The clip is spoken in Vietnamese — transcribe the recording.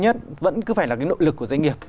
nhất vẫn cứ phải là cái nội lực của doanh nghiệp